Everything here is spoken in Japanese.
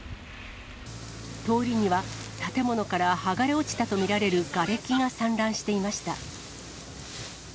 通りには建物から剥がれ落ちたと見られるがれきが散乱していました。